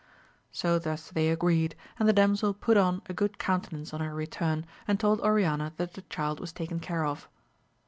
So thus they agreed, and the damsel put on a good coun tenance on her return, and told Oriana that the child was taken care of.